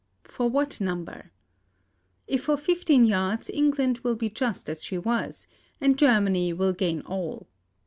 For what number? If for fifteen yards, England will be just as she was, and Germany will gain all.